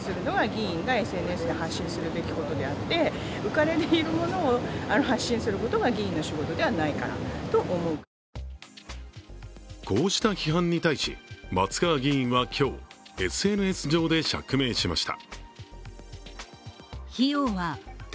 これには街の人もこうした批判に対し、松川議員は今日、ＳＮＳ上で釈明しました。